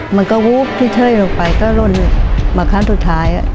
มันก็วูบที่เท่ยลงไปก็ล่นมาครั้งสุดท้าย